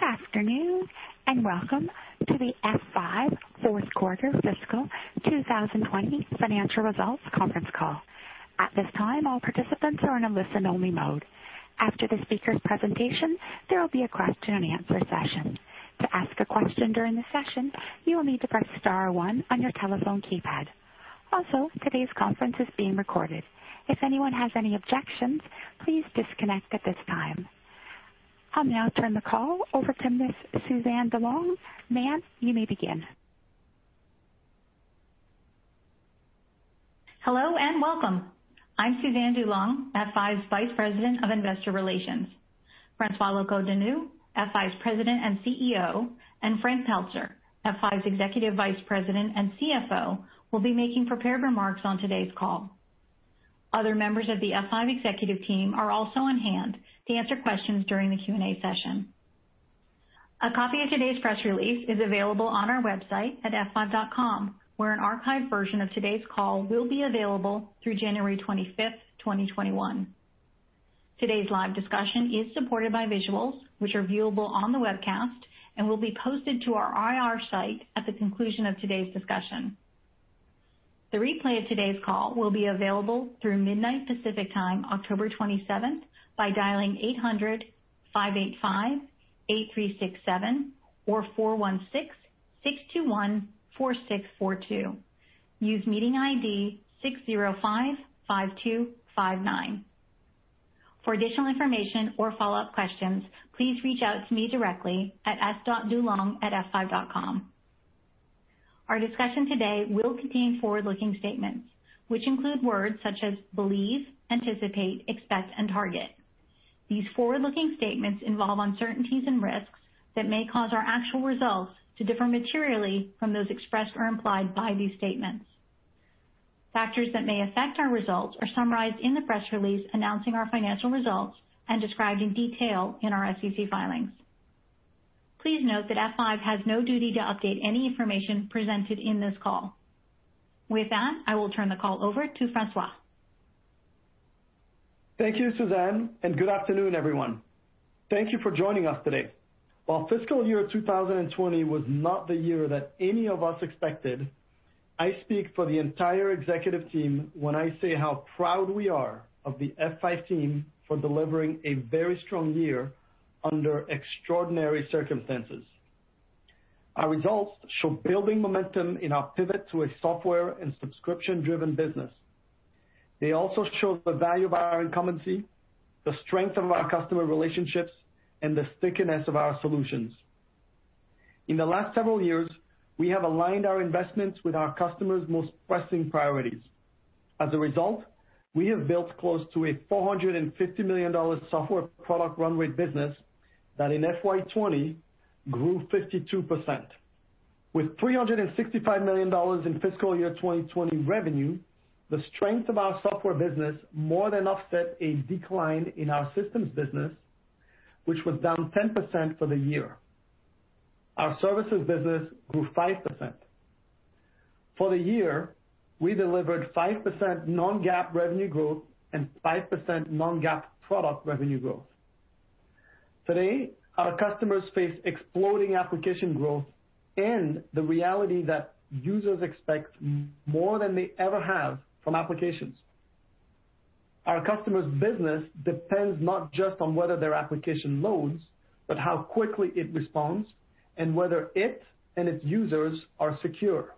Good afternoon, welcome to the F5 fourth quarter fiscal 2020 financial results conference call. At this time, all participants are in a listen-only mode. After the speakers' presentation, there will be a question-and-answer session. To ask a question during the session, you will need to press star one on your telephone keypad. Also, today's conference is being recorded. If anyone has any objections, please disconnect at this time. I'll now turn the call over to Ms. Suzanne DuLong. Ma'am, you may begin. Hello and welcome. I'm Suzanne DuLong, F5's Vice President of Investor Relations. François Locoh-Donou, F5's President and CEO, and Frank Pelzer, F5's Executive Vice President and CFO, will be making prepared remarks on today's call. Other members of the F5 executive team are also on hand to answer questions during the Q&A session. A copy of today's press release is available on our website at f5.com, where an archived version of today's call will be available through January 25th, 2021. Today's live discussion is supported by visuals, which are viewable on the webcast and will be posted to our IR site at the conclusion of today's discussion. The replay of today's call will be available through midnight Pacific Time, October 27th by dialing 800-585-8367 or 416-621-4642. Use meeting ID 6055259. For additional information or follow-up questions, please reach out to me directly at s.dulong@f5.com. Our discussion today will contain forward-looking statements, which include words such as believe, anticipate, expect, and target. These forward-looking statements involve uncertainties and risks that may cause our actual results to differ materially from those expressed or implied by these statements. Factors that may affect our results are summarized in the press release announcing our financial results and described in detail in our SEC filings. Please note that F5 has no duty to update any information presented in this call. With that, I will turn the call over to François. Thank you, Suzanne, and good afternoon, everyone. Thank you for joining us today. While fiscal year 2020 was not the year that any of us expected, I speak for the entire executive team when I say how proud we are of the F5 team for delivering a very strong year under extraordinary circumstances. Our results show building momentum in our pivot to a software and subscription-driven business. They also show the value of our incumbency, the strength of our customer relationships, and the stickiness of our solutions. In the last several years, we have aligned our investments with our customers' most pressing priorities. As a result, we have built close to a $450 million software product run rate business that in FY 2020 grew 52%. With $365 million in fiscal year 2020 revenue, the strength of our software business more than offset a decline in our systems business, which was down 10% for the year. Our services business grew 5%. For the year, we delivered 5% non-GAAP revenue growth and 5% non-GAAP product revenue growth. Today, our customers face exploding application growth and the reality that users expect more than they ever have from applications. Our customers' business depends not just on whether their application loads, but how quickly it responds and whether it and its users are secure.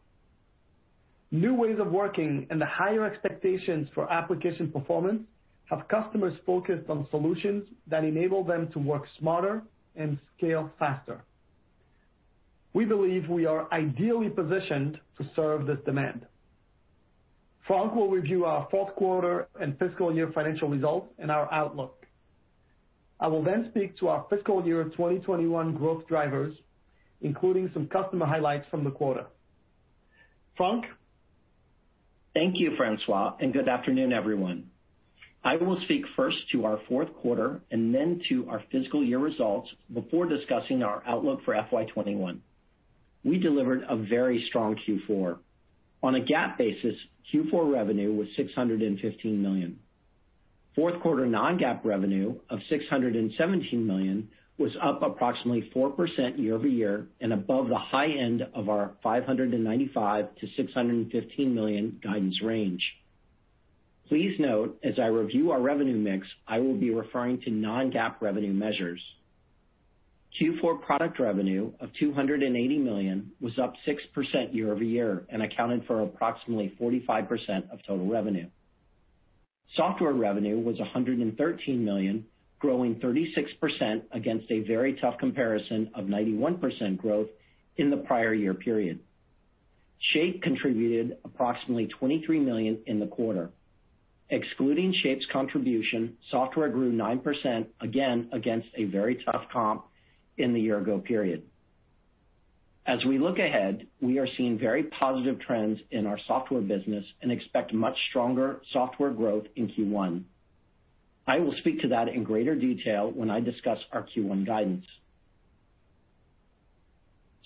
New ways of working and the higher expectations for application performance have customers focused on solutions that enable them to work smarter and scale faster. We believe we are ideally positioned to serve this demand. Frank will review our fourth quarter and fiscal year financial results and our outlook. I will then speak to our fiscal year 2021 growth drivers, including some customer highlights from the quarter. Frank? Thank you, François. Good afternoon, everyone. I will speak first to our fourth quarter and then to our fiscal year results before discussing our outlook for FY 2021. We delivered a very strong Q4. On a GAAP basis, Q4 revenue was $615 million. Fourth-quarter non-GAAP revenue of $617 million was up approximately 4% year-over-year and above the high end of our $595 million-$615 million guidance range. Please note, as I review our revenue mix, I will be referring to non-GAAP revenue measures. Q4 product revenue of $280 million was up 6% year-over-year and accounted for approximately 45% of total revenue. Software revenue was $113 million, growing 36% against a very tough comparison of 91% growth in the prior year period. Shape contributed approximately $23 million in the quarter. Excluding Shape's contribution, software grew 9%, again against a very tough comp in the year-ago period. As we look ahead, we are seeing very positive trends in our software business and expect much stronger software growth in Q1. I will speak to that in greater detail when I discuss our Q1 guidance.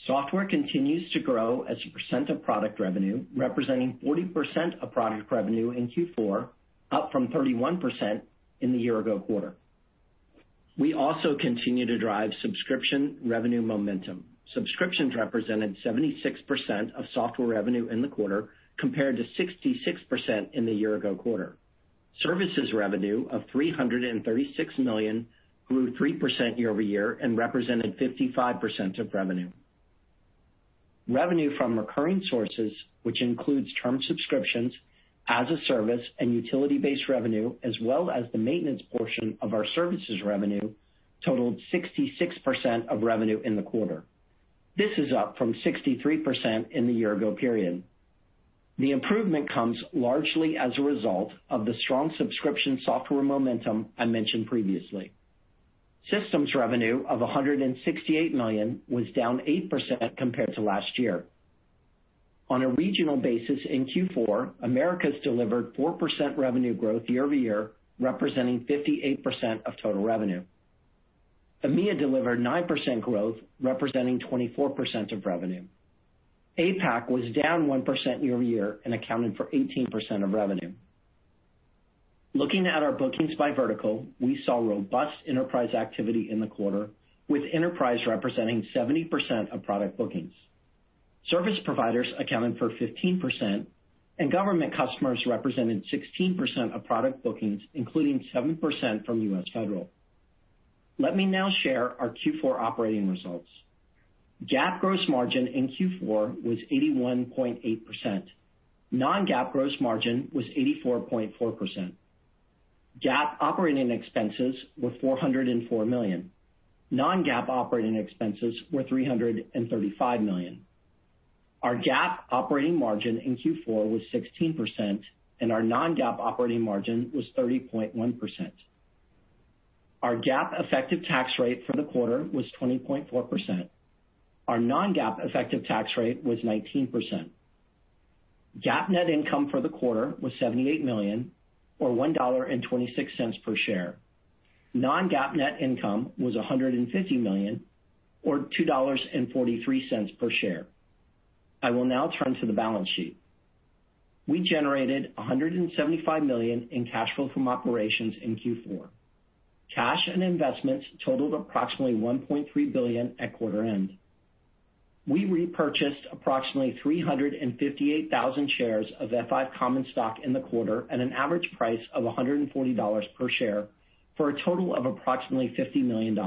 Software continues to grow as a percent of product revenue, representing 40% of product revenue in Q4, up from 31% in the year-ago quarter. We also continue to drive subscription revenue momentum. Subscriptions represented 76% of software revenue in the quarter, compared to 66% in the year-ago quarter. Services revenue of $336 million grew 3% year-over-year and represented 55% of revenue. Revenue from recurring sources, which includes term subscriptions, as a service, and utility-based revenue, as well as the maintenance portion of our services revenue totaled 66% of revenue in the quarter. This is up from 63% in the year-ago period. The improvement comes largely as a result of the strong subscription software momentum I mentioned previously. Systems revenue of $168 million was down 8% compared to last year. On a regional basis in Q4, Americas delivered 4% revenue growth year-over-year, representing 58% of total revenue. EMEA delivered 9% growth, representing 24% of revenue. APAC was down 1% year-over-year and accounted for 18% of revenue. Looking at our bookings by vertical, we saw robust enterprise activity in the quarter, with enterprise representing 70% of product bookings. Service providers accounted for 15%, and government customers represented 16% of product bookings, including 7% from U.S. Federal. Let me now share our Q4 operating results. GAAP gross margin in Q4 was 81.8%. Non-GAAP gross margin was 84.4%. GAAP operating expenses were $404 million. Non-GAAP operating expenses were $335 million. Our GAAP operating margin in Q4 was 16%, and our non-GAAP operating margin was 30.1%. Our GAAP effective tax rate for the quarter was 20.4%. Our non-GAAP effective tax rate was 19%. GAAP net income for the quarter was $78 million, or $1.26 per share. Non-GAAP net income was $150 million, or $2.43 per share. I will now turn to the balance sheet. We generated $175 million in cash flow from operations in Q4. Cash and investments totaled approximately $1.3 billion at quarter end. We repurchased approximately 358,000 shares of F5 common stock in the quarter at an average price of $140 per share for a total of approximately $50 million.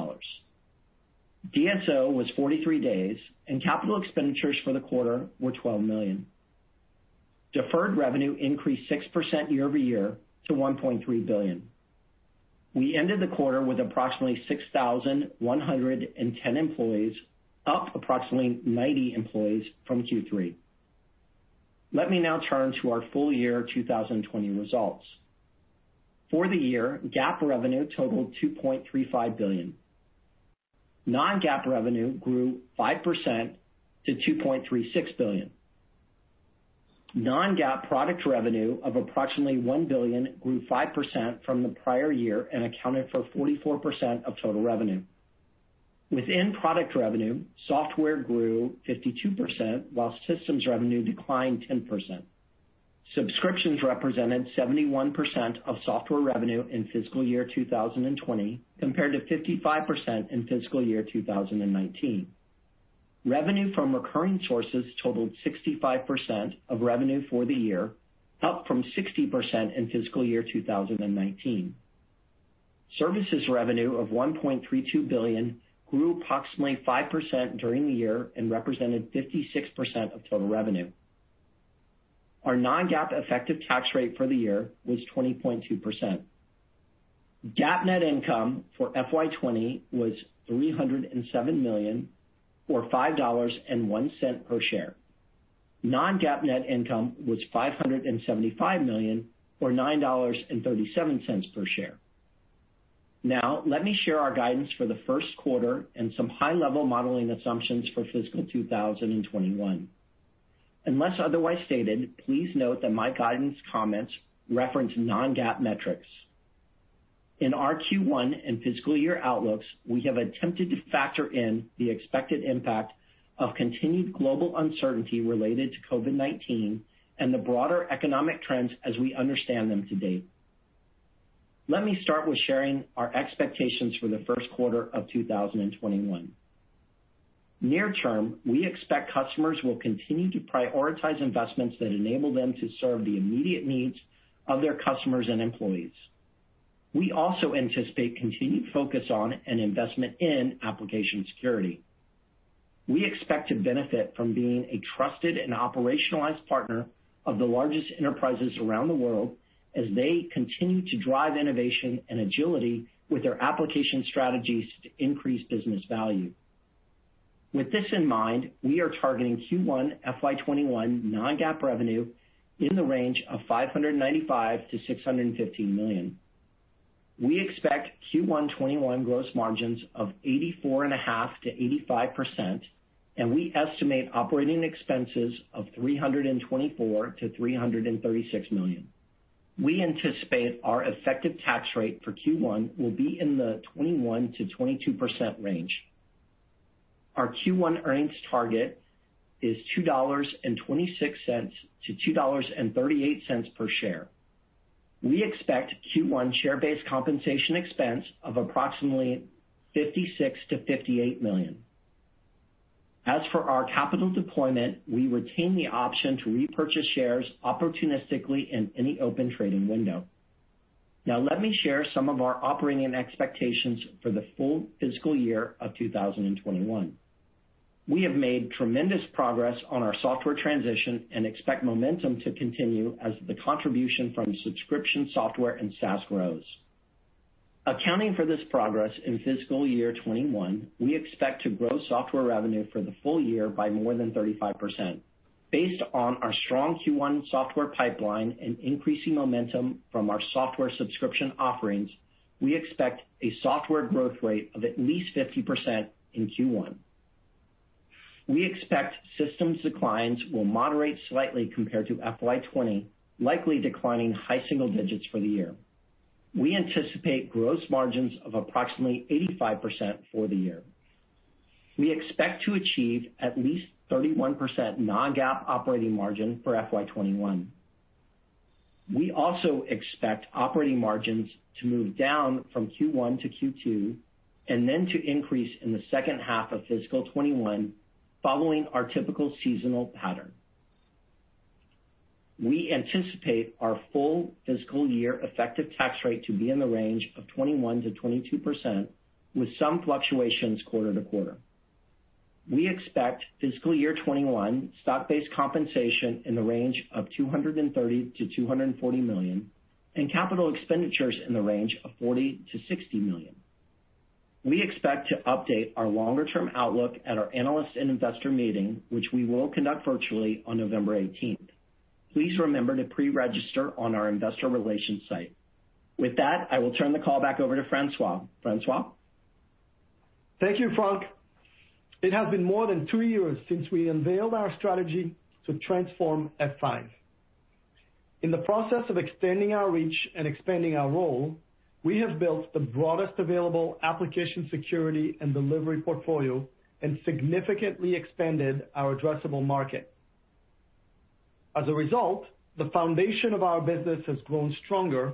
DSO was 43 days, and capital expenditures for the quarter were $12 million. Deferred revenue increased 6% year-over-year to $1.3 billion. We ended the quarter with approximately 6,110 employees, up approximately 90 employees from Q3. Let me now turn to our full year 2020 results. For the year, GAAP revenue totaled $2.35 billion. Non-GAAP revenue grew 5% to $2.36 billion. Non-GAAP product revenue of approximately $1 billion grew 5% from the prior year and accounted for 44% of total revenue. Within product revenue, software grew 52%, while systems revenue declined 10%. Subscriptions represented 71% of software revenue in fiscal year 2020, compared to 55% in fiscal year 2019. Revenue from recurring sources totaled 65% of revenue for the year, up from 60% in fiscal year 2019. Services revenue of $1.32 billion grew approximately 5% during the year and represented 56% of total revenue. Our non-GAAP effective tax rate for the year was 20.2%. GAAP net income for FY 2020 was $307 million, or $5.01 per share. Non-GAAP net income was $575 million, or $9.37 per share. Now, let me share our guidance for the first quarter and some high-level modeling assumptions for fiscal 2021. Unless otherwise stated, please note that my guidance comments reference non-GAAP metrics. In our Q1 and fiscal year outlooks, we have attempted to factor in the expected impact of continued global uncertainty related to COVID-19 and the broader economic trends as we understand them to date. Let me start with sharing our expectations for the first quarter of 2021. Near term, we expect customers will continue to prioritize investments that enable them to serve the immediate needs of their customers and employees. We also anticipate continued focus on and investment in application security. We expect to benefit from being a trusted and operationalized partner of the largest enterprises around the world as they continue to drive innovation and agility with their application strategies to increase business value. With this in mind, we are targeting Q1 FY 2021 non-GAAP revenue in the range of $595 million-$615 million. We expect Q1 2021 gross margins of 84.5%-85%, and we estimate operating expenses of $324 million-$336 million. We anticipate our effective tax rate for Q1 will be in the 21%-22% range. Our Q1 earnings target is $2.26-$2.38 per share. We expect Q1 share-based compensation expense of approximately $56 million-$58 million. As for our capital deployment, we retain the option to repurchase shares opportunistically in any open trading window. Let me share some of our operating expectations for the full fiscal year of 2021. We have made tremendous progress on our software transition and expect momentum to continue as the contribution from subscription software and SaaS grows. Accounting for this progress in fiscal year 2021, we expect to grow software revenue for the full year by more than 35%. Based on our strong Q1 software pipeline and increasing momentum from our software subscription offerings, we expect a software growth rate of at least 50% in Q1. We expect systems declines will moderate slightly compared to FY 2020, likely declining high single digits for the year. We anticipate gross margins of approximately 85% for the year. We expect to achieve at least 31% non-GAAP operating margin for FY 2021. We also expect operating margins to move down from Q1 to Q2, and then to increase in the second half of fiscal 2021 following our typical seasonal pattern. We anticipate our full fiscal year effective tax rate to be in the range of 21%-22%, with some fluctuations quarter to quarter. We expect fiscal year 2021 stock-based compensation in the range of $230 million-$240 million, and capital expenditures in the range of $40 million-$60 million. We expect to update our longer-term outlook at our analyst and investor meeting, which we will conduct virtually on November 18th. Please remember to pre-register on our investor relations site. With that, I will turn the call back over to François. François? Thank you, Frank. It has been more than three years since we unveiled our strategy to transform F5. In the process of extending our reach and expanding our role, we have built the broadest available application security and delivery portfolio and significantly expanded our addressable market. As a result, the foundation of our business has grown stronger,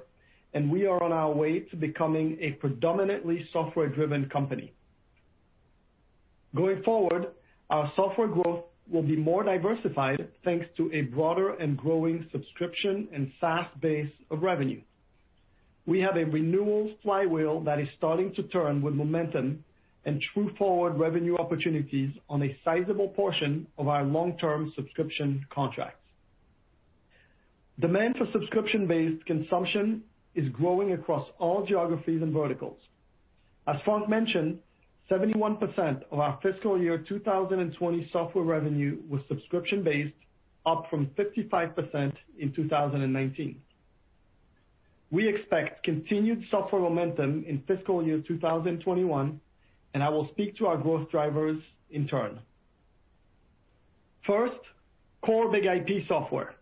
and we are on our way to becoming a predominantly software-driven company. Going forward, our software growth will be more diversified thanks to a broader and growing subscription and SaaS based of revenue. We have a renewal flywheel that is starting to turn with momentum and true forward revenue opportunities on a sizable portion of our long-term subscription contracts. Demand for subscription-based consumption is growing across all geographies and verticals. As Frank mentioned, 71% of our fiscal year 2020 software revenue was subscription-based, up from 55% in 2019. We expect continued software momentum in fiscal year 2021, and I will speak to our growth drivers in turn. First, core BIG-IP software.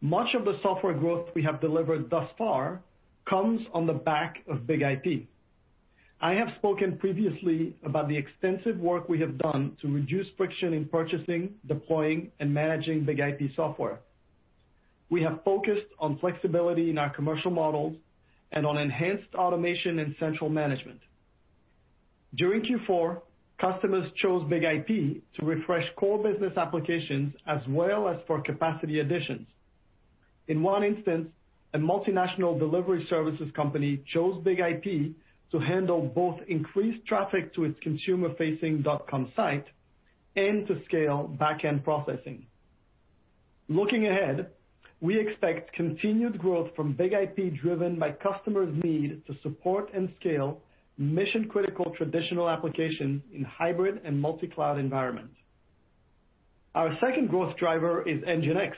Much of the software growth we have delivered thus far comes on the back of BIG-IP. I have spoken previously about the extensive work we have done to reduce friction in purchasing, deploying, and managing BIG-IP software. We have focused on flexibility in our commercial models and on enhanced automation and central management. During Q4, customers chose BIG-IP to refresh core business applications as well as for capacity additions. In one instance, a multinational delivery services company chose BIG-IP to handle both increased traffic to its consumer facing dot-com site and to scale back-end processing. Looking ahead, we expect continued growth from BIG-IP driven by customers' need to support and scale mission-critical traditional applications in hybrid and multi-cloud environments. Our second growth driver is NGINX.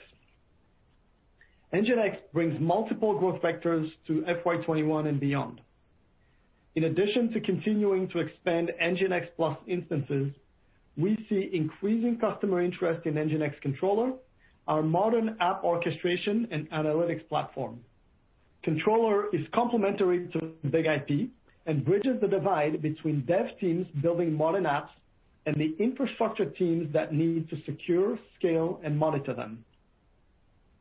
NGINX brings multiple growth vectors to FY 2021 and beyond. In addition to continuing to expand NGINX Plus instances, we see increasing customer interest in NGINX Controller, our modern app orchestration and analytics platform. Controller is complementary to BIG-IP and bridges the divide between dev teams building modern apps and the infrastructure teams that need to secure, scale, and monitor them.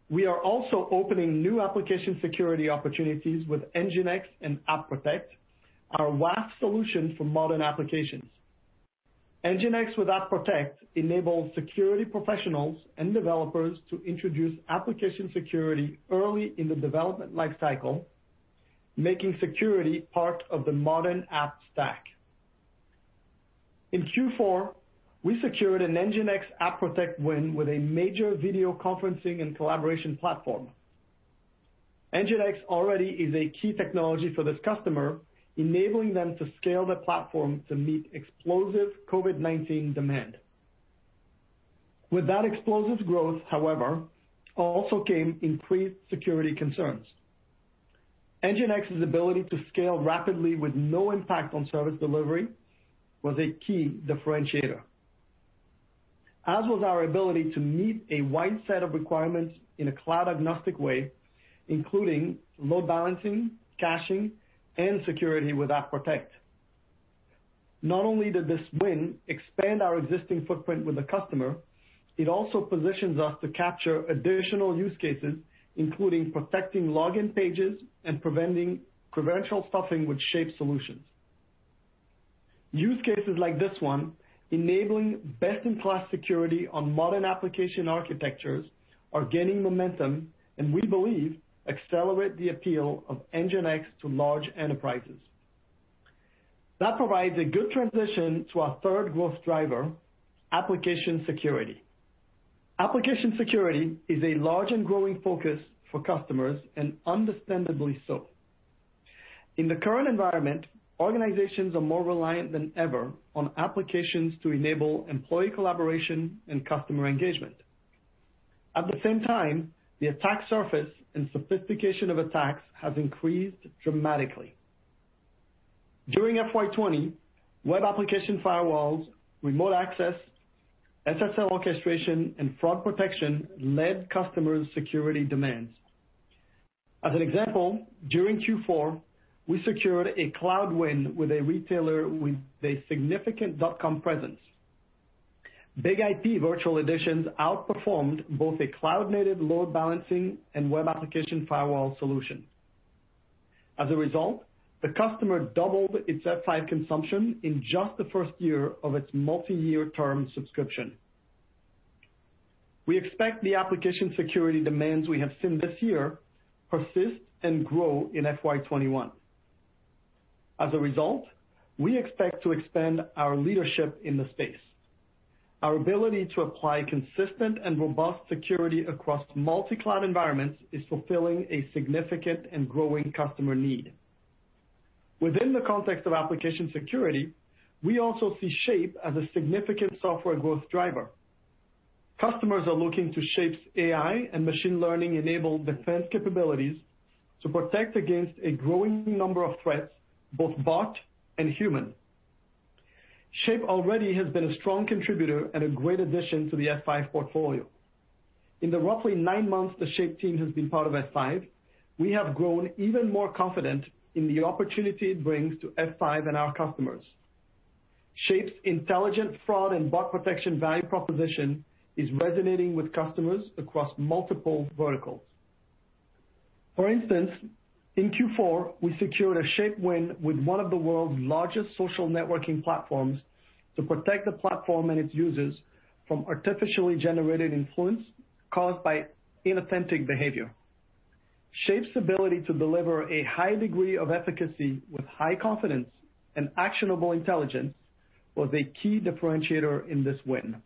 We are also opening new application security opportunities with NGINX and App Protect, our WAF solution for modern applications. NGINX with App Protect enables security professionals and developers to introduce application security early in the development life cycle, making security part of the modern app stack. In Q4, we secured an NGINX App Protect win with a major video conferencing and collaboration platform. NGINX already is a key technology for this customer, enabling them to scale their platform to meet explosive COVID-19 demand. With that explosive growth, however, also came increased security concerns. NGINX's ability to scale rapidly with no impact on service delivery was a key differentiator. As was our ability to meet a wide set of requirements in a cloud-agnostic way, including load balancing, caching, and security with App Protect. Not only did this win expand our existing footprint with the customer, it also positions us to capture additional use cases, including protecting login pages and preventing credential stuffing with Shape solutions. Use cases like this one, enabling best-in-class security on modern application architectures, are gaining momentum and, we believe, accelerate the appeal of NGINX to large enterprises. That provides a good transition to our third growth driver, application security. Application security is a large and growing focus for customers, and understandably so. In the current environment, organizations are more reliant than ever on applications to enable employee collaboration and customer engagement. At the same time, the attack surface and sophistication of attacks has increased dramatically. During FY 2020, web application firewalls, remote access, SSL orchestration, and fraud protection led customers' security demands. As an example, during Q4, we secured a cloud win with a retailer with a significant dot-com presence. BIG-IP Virtual Editions outperformed both a cloud-native load balancing and web application firewall solution. As a result, the customer doubled its F5 consumption in just the first year of its multiyear term subscription. We expect the application security demands we have seen this year persist and grow in FY 2021. As a result, we expect to expand our leadership in the space. Our ability to apply consistent and robust security across multi-cloud environments is fulfilling a significant and growing customer need. Within the context of application security, we also see Shape as a significant software growth driver. Customers are looking to Shape's AI and machine learning-enabled defense capabilities to protect against a growing number of threats, both bot and human. Shape already has been a strong contributor and a great addition to the F5 portfolio. In the roughly nine months the Shape team has been part of F5, we have grown even more confident in the opportunity it brings to F5 and our customers. Shape's intelligent fraud and bot protection value proposition is resonating with customers across multiple verticals. For instance, in Q4, we secured a Shape win with one of the world's largest social networking platforms to protect the platform and its users from artificially generated influence caused by inauthentic behavior. Shape's ability to deliver a high degree of efficacy with high confidence and actionable intelligence was a key differentiator in this win.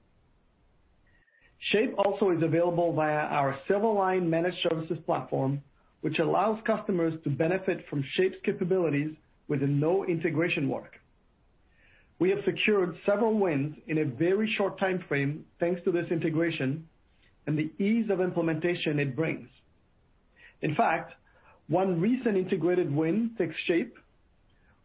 Shape also is available via our Silverline managed services platform, which allows customers to benefit from Shape's capabilities with no integration work. We have secured several wins in a very short timeframe thanks to this integration and the ease of implementation it brings. In fact, one recent integrated win takes Shape,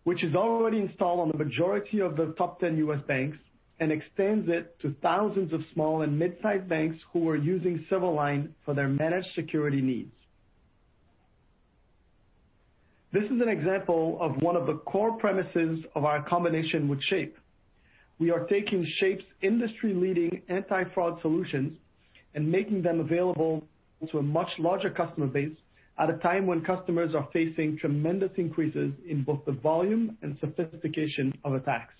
which is already installed on the majority of the top 10 U.S. banks, and extends it to thousands of small and midsize banks who are using Silverline for their managed security needs. This is an example of one of the core premises of our combination with Shape. We are taking Shape's industry-leading anti-fraud solutions and making them available to a much larger customer base at a time when customers are facing tremendous increases in both the volume and sophistication of attacks.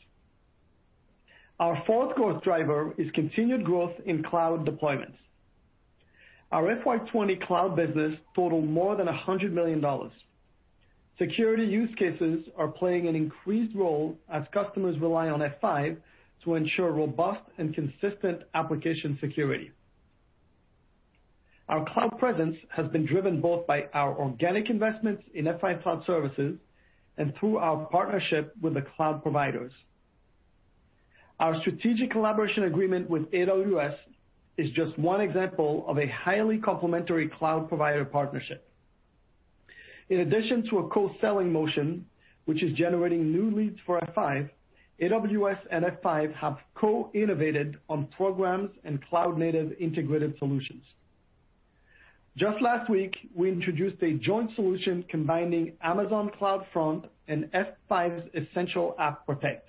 Our fourth growth driver is continued growth in cloud deployments. Our FY 2020 cloud business totaled more than $100 million. Security use cases are playing an increased role as customers rely on F5 to ensure robust and consistent application security. Our cloud presence has been driven both by our organic investments in F5 cloud services and through our partnership with the cloud providers. Our strategic collaboration agreement with AWS is just one example of a highly complementary cloud provider partnership. In addition to a co-selling motion, which is generating new leads for F5, AWS and F5 have co-innovated on programs and cloud-native integrated solutions. Just last week, we introduced a joint solution combining Amazon CloudFront and F5's Essential App Protect.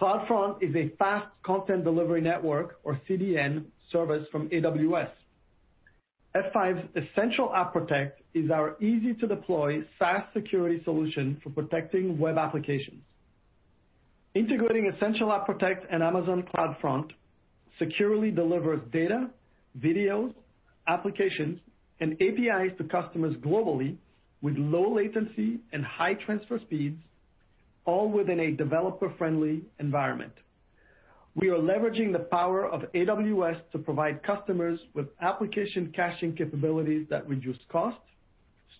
CloudFront is a fast Content Delivery Network, or CDN, service from AWS. F5's Essential App Protect is our easy-to-deploy, fast security solution for protecting web applications. Integrating Essential App Protect and Amazon CloudFront securely delivers data, videos, applications, and APIs to customers globally with low latency and high transfer speeds, all within a developer-friendly environment. We are leveraging the power of AWS to provide customers with application caching capabilities that reduce cost,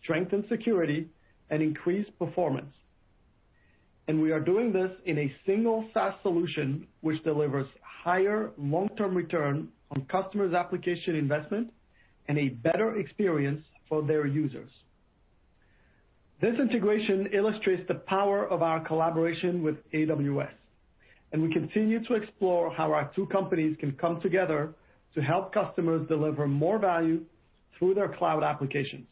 strengthen security, and increase performance. We are doing this in a single SaaS solution, which delivers higher long-term return on customers' application investment and a better experience for their users. This integration illustrates the power of our collaboration with AWS. We continue to explore how our two companies can come together to help customers deliver more value through their cloud applications.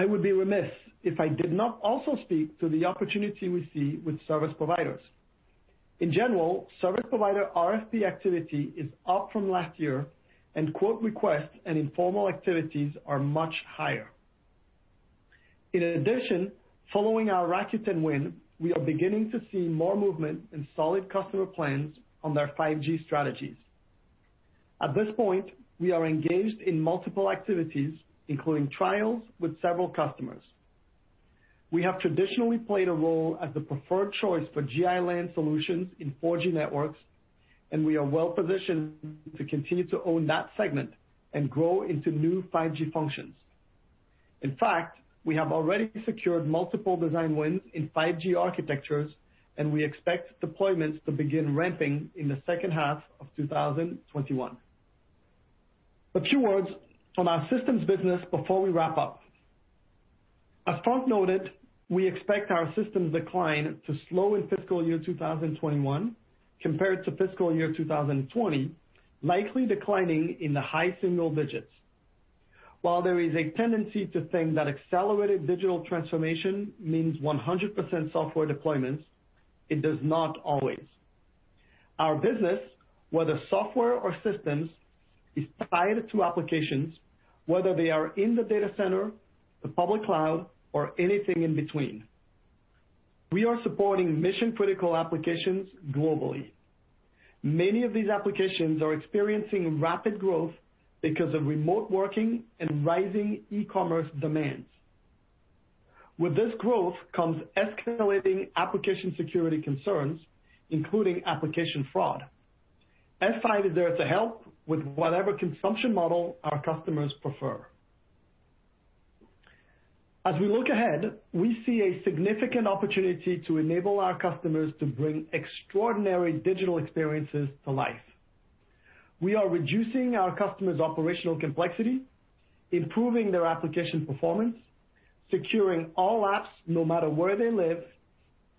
I would be remiss if I did not also speak to the opportunity we see with service providers. In general, service provider RFP activity is up from last year. Quote requests and informal activities are much higher. In addition, following our Rakuten win, we are beginning to see more movement and solid customer plans on their 5G strategies. At this point, we are engaged in multiple activities, including trials with several customers. We have traditionally played a role as the preferred choice for Gi LAN solutions in 4G networks. We are well-positioned to continue to own that segment and grow into new 5G functions. In fact, we have already secured multiple design wins in 5G architectures, and we expect deployments to begin ramping in the second half of 2021. A few words from our systems business before we wrap up. As Frank noted, we expect our systems decline to slow in fiscal year 2021 compared to fiscal year 2020, likely declining in the high single digits. While there is a tendency to think that accelerated digital transformation means 100% software deployments, it does not always. Our business, whether software or systems, is tied to applications, whether they are in the data center, the public cloud, or anything in between. We are supporting mission-critical applications globally. Many of these applications are experiencing rapid growth because of remote working and rising e-commerce demands. With this growth comes escalating application security concerns, including application fraud. F5 is there to help with whatever consumption model our customers prefer. As we look ahead, we see a significant opportunity to enable our customers to bring extraordinary digital experiences to life. We are reducing our customers' operational complexity, improving their application performance, securing all apps no matter where they live,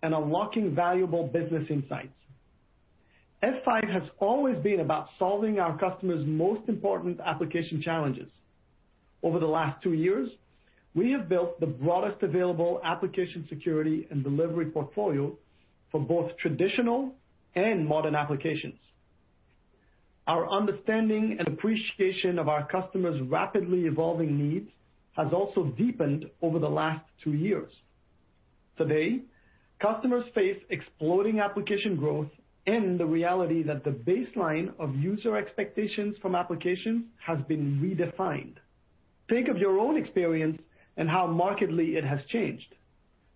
and unlocking valuable business insights. F5 has always been about solving our customers' most important application challenges. Over the last two years, we have built the broadest available application security and delivery portfolio for both traditional and modern applications. Our understanding and appreciation of our customers' rapidly evolving needs has also deepened over the last two years. Today, customers face exploding application growth and the reality that the baseline of user expectations from applications has been redefined. Think of your own experience and how markedly it has changed.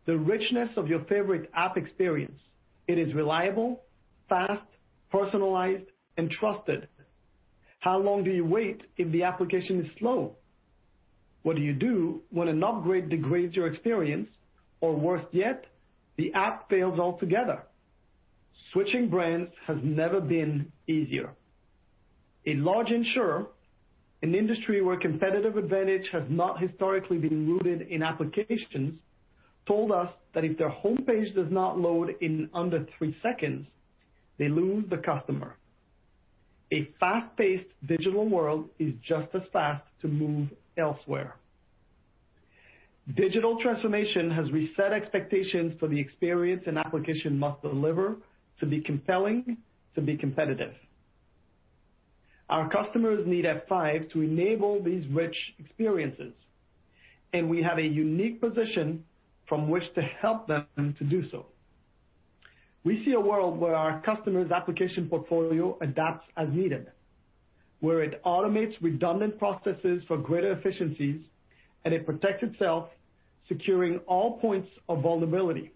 The richness of your favorite app experience. It is reliable, fast, personalized, and trusted. How long do you wait if the application is slow? What do you do when an upgrade degrades your experience, or worse yet, the app fails altogether? Switching brands has never been easier. A large insurer, an industry where competitive advantage has not historically been rooted in applications, told us that if their homepage does not load in under three seconds, they lose the customer. A fast-paced digital world is just as fast to move elsewhere. Digital transformation has reset expectations for the experience an application must deliver to be compelling, to be competitive. Our customers need F5 to enable these rich experiences, and we have a unique position from which to help them to do so. We see a world where our customers' application portfolio adapts as needed, where it automates redundant processes for greater efficiencies, and it protects itself, securing all points of vulnerability.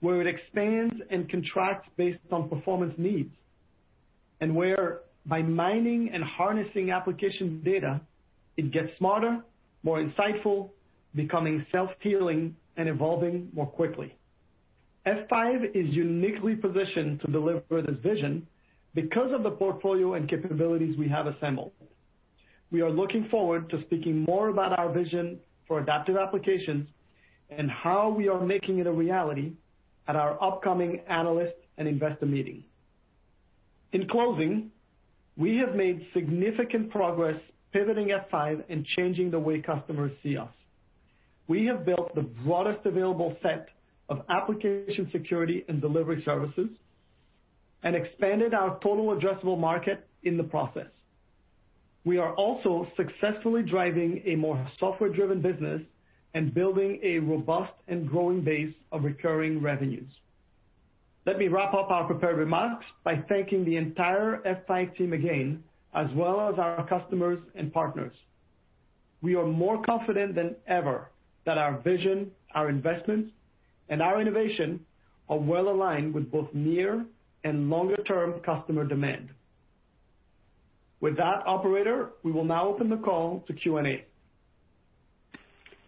Where it expands and contracts based on performance needs, and where by mining and harnessing application data, it gets smarter, more insightful, becoming self-healing and evolving more quickly. F5 is uniquely positioned to deliver this vision because of the portfolio and capabilities we have assembled. We are looking forward to speaking more about our vision for adaptive applications and how we are making it a reality at our upcoming Analyst and Investor Meeting. In closing, we have made significant progress pivoting F5 and changing the way customers see us. We have built the broadest available set of application security and delivery services and expanded our total addressable market in the process. We are also successfully driving a more software-driven business and building a robust and growing base of recurring revenues. Let me wrap up our prepared remarks by thanking the entire F5 team again, as well as our customers and partners. We are more confident than ever that our vision, our investments, and our innovation are well-aligned with both near and longer-term customer demand. With that, operator, we will now open the call to Q&A.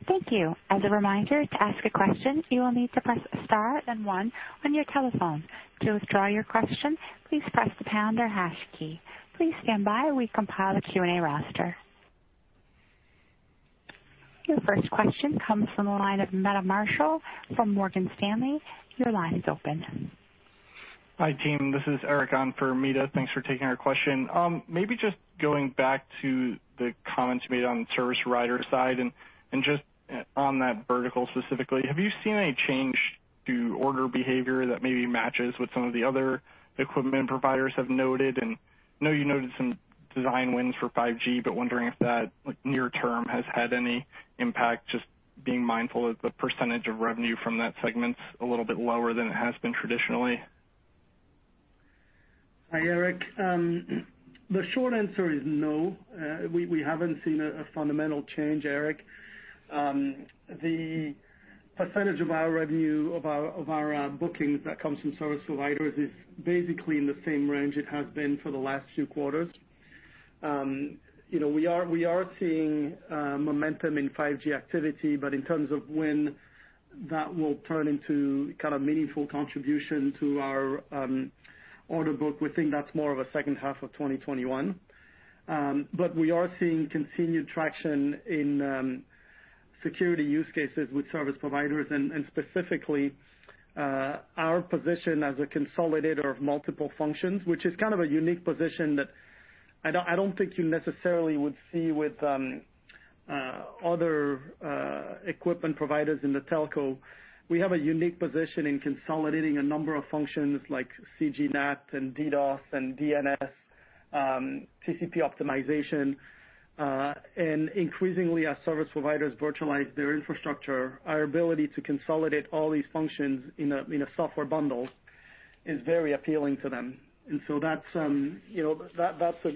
Thank you. As a reminder, to ask a question, you will need to press star and one on your telephone. To withdraw your question, please press pound or hash key. Please stand by while we compile the Q&A roster. Your first question comes from the line of Meta Marshall from Morgan Stanley. Your line is open. Hi, team. This is Eric on for Meta. Thanks for taking our question. Maybe just going back to the comments you made on the service provider side, and just on that vertical specifically, have you seen any change to order behavior that maybe matches what some of the other equipment providers have noted? I know you noted some design wins for 5G, but wondering if that near term has had any impact, just being mindful that the percentage of revenue from that segment's a little bit lower than it has been traditionally. Hi, Eric. The short answer is no. We haven't seen a fundamental change, Eric. The percentage of our revenue, of our bookings that comes from service providers is basically in the same range it has been for the last few quarters. We are seeing momentum in 5G activity, in terms of when that will turn into kind of meaningful contribution to our order book, we think that's more of a second half of 2021. We are seeing continued traction in security use cases with service providers and specifically, our position as a consolidator of multiple functions, which is kind of a unique position that I don't think you necessarily would see with other equipment providers in the telco. We have a unique position in consolidating a number of functions like CGNAT and DDoS and DNS, TCP optimization. Increasingly, as service providers virtualize their infrastructure, our ability to consolidate all these functions in a software bundle is very appealing to them. That's a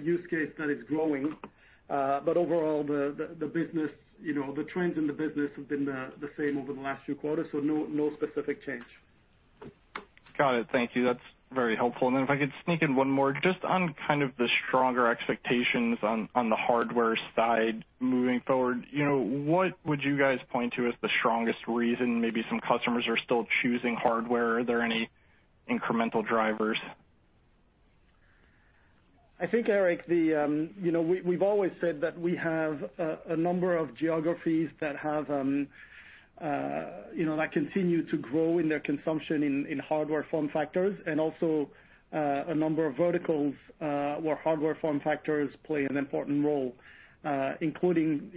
use case that is growing. Overall, the trends in the business have been the same over the last few quarters, so no specific change. Got it. Thank you. That's very helpful. Then if I could sneak in one more, just on kind of the stronger expectations on the hardware side moving forward. What would you guys point to as the strongest reason maybe some customers are still choosing hardware? Are there any incremental drivers? I think, Eric, we've always said that we have a number of geographies that continue to grow in their consumption in hardware form factors and also a number of verticals where hardware form factors play an important role, including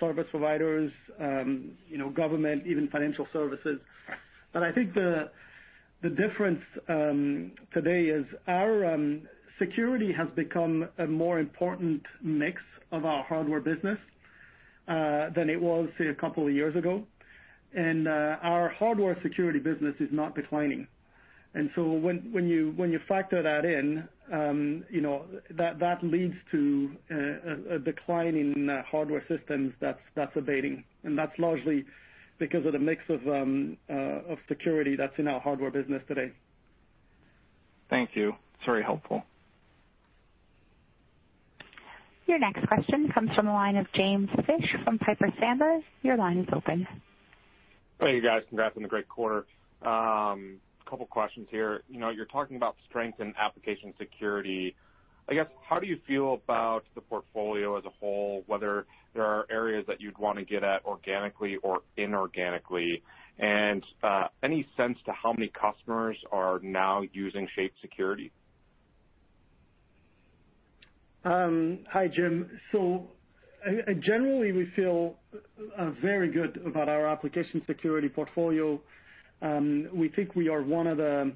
service providers, government, even financial services. I think the difference today is our security has become a more important mix of our hardware business than it was, say, a couple of years ago. Our hardware security business is not declining. When you factor that in, that leads to a decline in hardware systems that's abating, and that's largely because of the mix of security that's in our hardware business today. Thank you. It's very helpful. Your next question comes from the line of James Fish from Piper Sandler. Your line is open. Hey, you guys. Congrats on the great quarter. Couple questions here. You're talking about strength in application security. I guess, how do you feel about the portfolio as a whole, whether there are areas that you'd want to get at organically or inorganically? Any sense to how many customers are now using Shape Security? Hi, Jim. Generally, we feel very good about our application security portfolio. We think we are one of the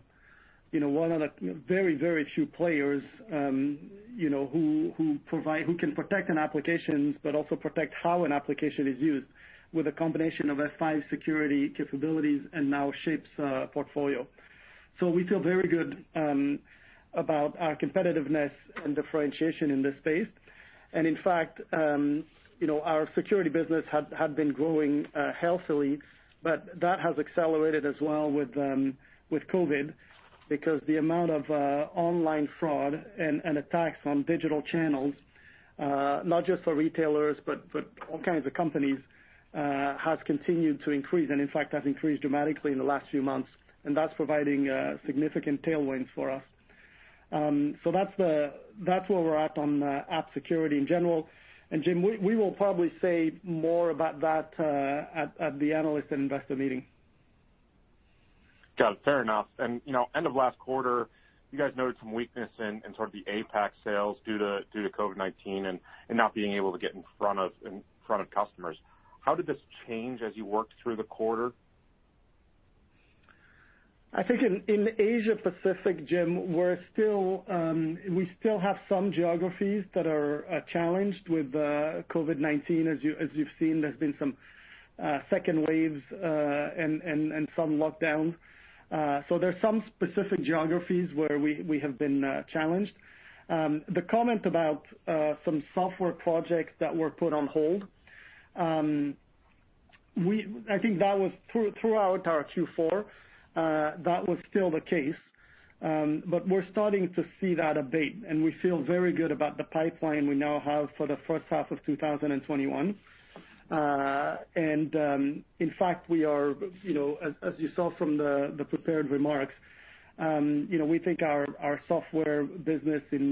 very, very few players who can protect an application, but also protect how an application is used with a combination of F5 security capabilities and now Shape's portfolio. We feel very good about our competitiveness and differentiation in this space. In fact, our security business had been growing healthily, but that has accelerated as well with COVID because the amount of online fraud and attacks on digital channels, not just for retailers, but all kinds of companies, has continued to increase. In fact, has increased dramatically in the last few months, and that's providing significant tailwinds for us. That's where we're at on app security in general. Jim, we will probably say more about that at the Analyst and Investor Meeting. Got it. Fair enough. End of last quarter, you guys noted some weakness in sort of the APAC sales due to COVID-19 and not being able to get in front of customers. How did this change as you worked through the quarter? I think in Asia-Pacific, Jim, we still have some geographies that are challenged with COVID-19. As you've seen, there's been some second waves, and some lockdowns. There's some specific geographies where we have been challenged. The comment about some software projects that were put on hold, I think that was throughout our Q4, that was still the case. We're starting to see that abate, and we feel very good about the pipeline we now have for the first half of 2021. In fact, as you saw from the prepared remarks, we think our software business in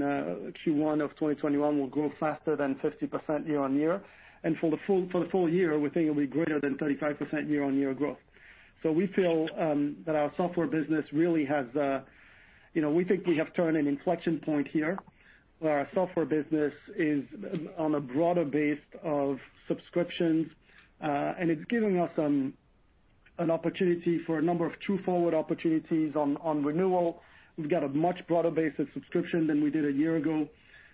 Q1 of 2021 will grow faster than 50% year-on-year. For the full year, we think it'll be greater than 35% year-on-year growth. We feel that our software business, we think we have turned an inflection point here, where our software business is on a broader base of subscriptions. It's giving us an opportunity for a number of true forward opportunities on renewal. We've got a much broader base of subscription than we did a year ago.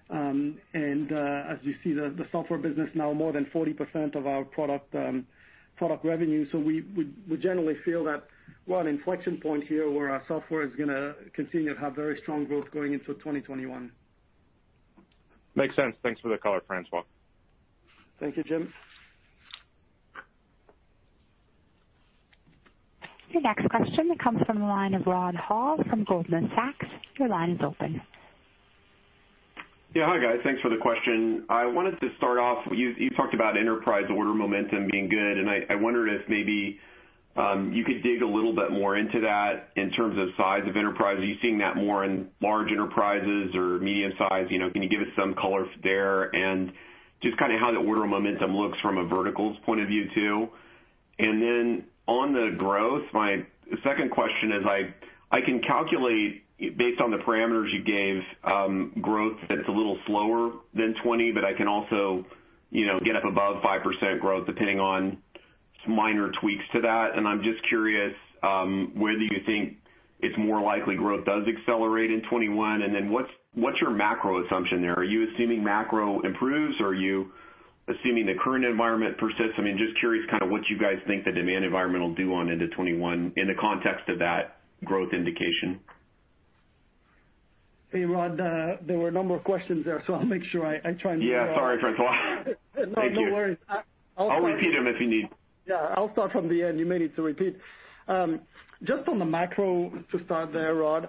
As you see, the software business now more than 40% of our product revenue. We generally feel that we're at inflection point here, where our software is going to continue to have very strong growth going into 2021. Makes sense. Thanks for the color, François. Thank you, Jim. Your next question comes from the line of Rod Hall from Goldman Sachs. Your line is open. Yeah. Hi, guys. Thanks for the question. I wanted to start off, you talked about enterprise order momentum being good, and I wondered if maybe you could dig a little bit more into that in terms of size of enterprise. Are you seeing that more in large enterprises or medium size? Can you give us some color there and just kind of how the order momentum looks from a verticals point of view too? Then on the growth, my second question is, I can calculate based on the parameters you gave, growth that's a little slower than 2020, but I can also get up above 5% growth depending on minor tweaks to that. I'm just curious whether you think it's more likely growth does accelerate in 2021, and then what's your macro assumption there? Are you assuming macro improves, or are you assuming the current environment persists? I mean, just curious what you guys think the demand environment will do on into 2021 in the context of that growth indication. Hey, Rod, there were a number of questions there, so I'll make sure I try and answer. Yeah. Sorry, François. Thank you. No worries. I'll repeat them if you need. I'll start from the end. You may need to repeat. Just on the macro to start there, Rod,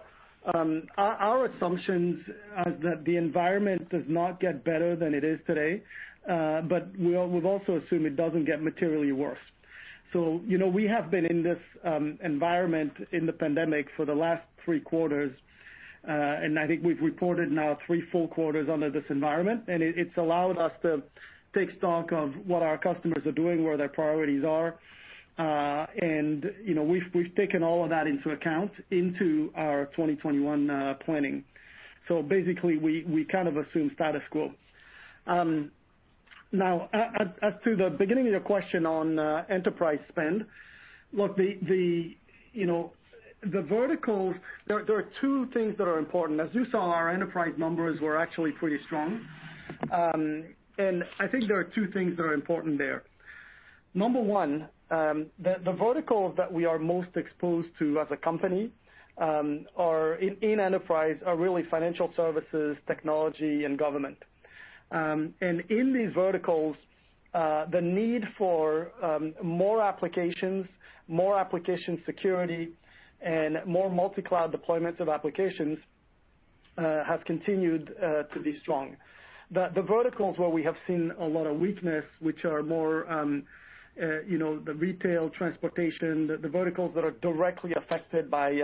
our assumptions are that the environment does not get better than it is today. We've also assumed it doesn't get materially worse. We have been in this environment in the pandemic for the last three quarters. I think we've reported now three full quarters under this environment, and it's allowed us to take stock of what our customers are doing, where their priorities are. We've taken all of that into account into our 2021 planning. Basically, we assume status quo. Now, as to the beginning of your question on enterprise spend, look, the verticals, there are two things that are important. As you saw, our enterprise numbers were actually pretty strong. I think there are two things that are important there. Number one, the verticals that we are most exposed to as a company in enterprise are really financial services, technology, and government. In these verticals, the need for more applications, more application security, and more multi-cloud deployments of applications, has continued to be strong. The verticals where we have seen a lot of weakness, which are more the retail, transportation, the verticals that are directly affected by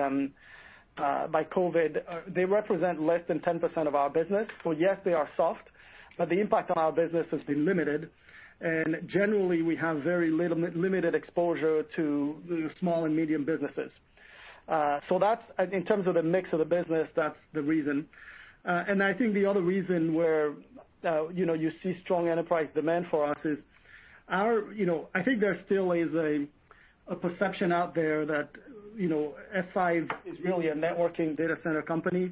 COVID, they represent less than 10% of our business. Yes, they are soft, but the impact on our business has been limited. Generally, we have very limited exposure to small and medium businesses. In terms of the mix of the business, that's the reason. I think the other reason where you see strong enterprise demand for us is, I think there still is a perception out there that F5 is really a networking data center company.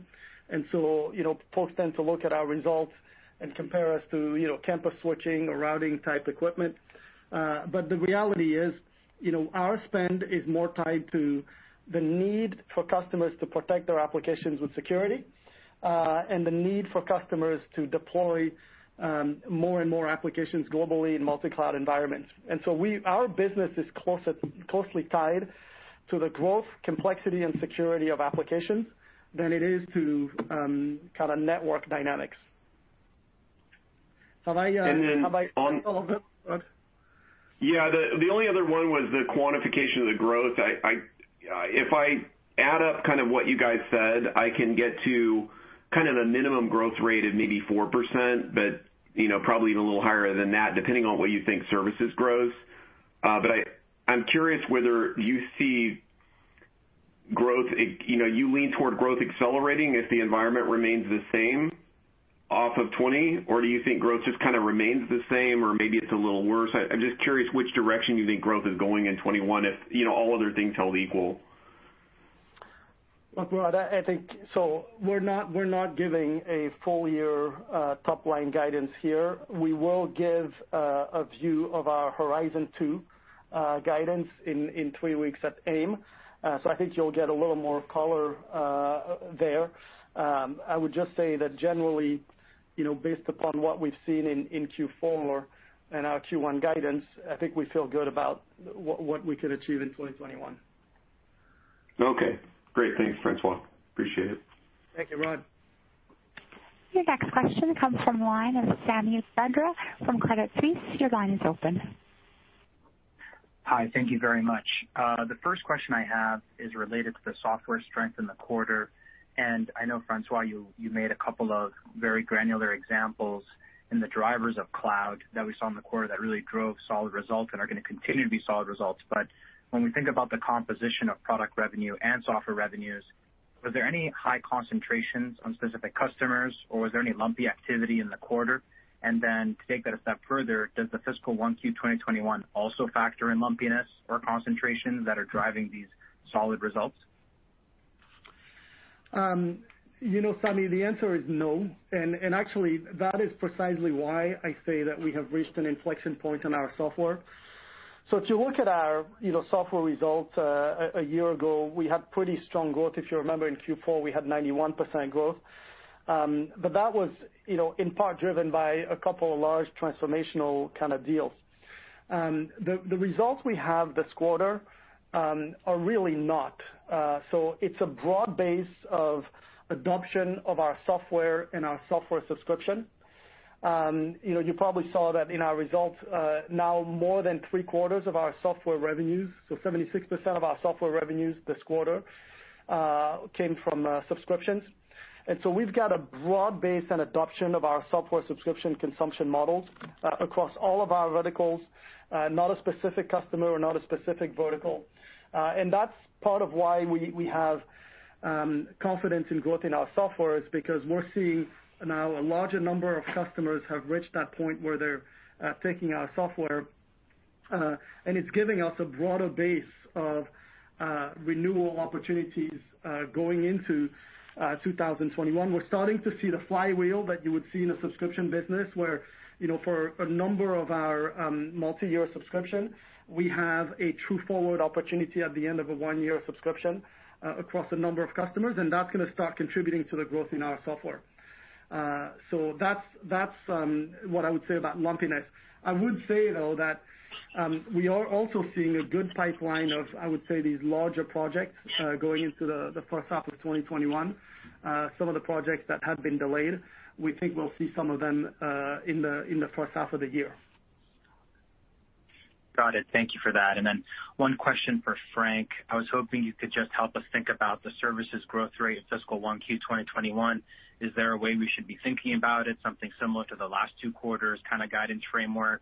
And so folks tend to look at our results and compare us to campus switching or routing type equipment. The reality is, our spend is more tied to the need for customers to protect their applications with security, and the need for customers to deploy more and more applications globally in multi-cloud environments. Our business is closely tied to the growth, complexity, and security of applications than it is to network dynamics. And then on. Have I addressed all of them, Rod? Yeah. The only other one was the quantification of the growth. If I add up kind of what you guys said, I can get to kind of a minimum growth rate of maybe 4%, but probably even a little higher than that, depending on what you think services grows. I'm curious whether you lean toward growth accelerating if the environment remains the same off of 2020, or do you think growth just remains the same or maybe it's a little worse? I'm just curious which direction you think growth is going in 2021, if all other things held equal. Look, Rod, we're not giving a full year top line guidance here. We will give a view of our Horizon two guidance in three weeks at AIM. I think you'll get a little more color there. I would just say that generally, based upon what we've seen in Q4 and our Q1 guidance, I think we feel good about what we could achieve in 2021. Okay, great. Thanks, François. Appreciate it. Thank you, Rod. Your next question comes from the line of Sami Badri from Credit Suisse. Your line is open. Hi. Thank you very much. The first question I have is related to the software strength in the quarter. I know, François, you made a couple of very granular examples in the drivers of cloud that we saw in the quarter that really drove solid results and are going to continue to be solid results. When we think about the composition of product revenue and software revenues, were there any high concentrations on specific customers, or was there any lumpy activity in the quarter? Then to take that a step further, does the fiscal 1Q 2021 also factor in lumpiness or concentrations that are driving these solid results? You know, Sami, the answer is no. Actually, that is precisely why I say that we have reached an inflection point on our software. If you look at our software results a year ago, we had pretty strong growth. If you remember, in Q4, we had 91% growth. That was in part driven by a couple of large transformational kind of deals. The results we have this quarter are really not. It's a broad base of adoption of our software and our software subscription. You probably saw that in our results, now more than three-quarters of our software revenues, so 76% of our software revenues this quarter came from subscriptions. We've got a broad base and adoption of our software subscription consumption models across all of our verticals, not a specific customer or not a specific vertical. That's part of why we have confidence in growth in our software is because we're seeing now a larger number of customers have reached that point where they're taking our software, and it's giving us a broader base of renewal opportunities going into 2021. We're starting to see the flywheel that you would see in a subscription business where, for a number of our multi-year subscription, we have a true forward opportunity at the end of a one-year subscription across a number of customers, and that's going to start contributing to the growth in our software. That's what I would say about lumpiness. I would say, though, that we are also seeing a good pipeline of, I would say, these larger projects going into the first half of 2021. Some of the projects that have been delayed, we think we'll see some of them in the first half of the year. Got it. Thank you for that. Then one question for Frank. I was hoping you could just help us think about the services growth rate in fiscal 1Q 2021. Is there a way we should be thinking about it, something similar to the last two quarters kind of guidance framework?